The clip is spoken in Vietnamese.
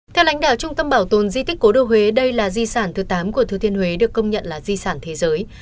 theo lãnh đạo trung tâm bảo tồn di tích cố đô huế đây là di sản thứ tám của thừa thiên huế được công nhận là di sản thế giới